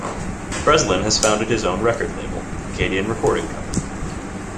Breslin has founded his own record label, Acadian Recording Company.